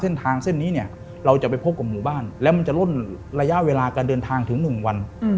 ไม่ได้เวลาการเดินทางถึงหนึ่งวัน